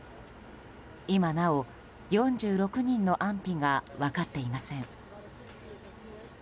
今なお、４６人の安否が分かっていません。